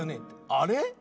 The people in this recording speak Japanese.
あれ？